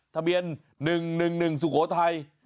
ทะเบียน๑๑๑๑สุโขทัย